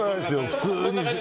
普通に。